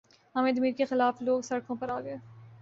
حامد میر کے خلاف لوگ سڑکوں پر آگۓ